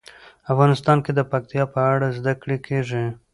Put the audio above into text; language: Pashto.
افغانستان کې د پکتیکا په اړه زده کړه کېږي.